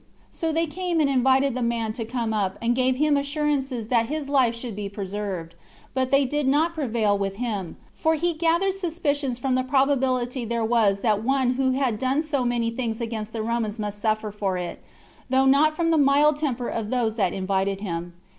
So they came and invited the man to come up, and gave him assurances that his life should be preserved: but they did not prevail with him; for he gathered suspicions from the probability there was that one who had done so many things against the Romans must suffer for it, though not from the mild temper of those that invited him.